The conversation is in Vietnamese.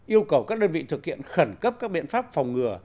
yêu cầu các đơn vị thực hiện khẩn cấp các biện pháp phòng ngừa